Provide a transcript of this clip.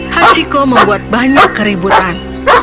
hachiko membuat banyak keributan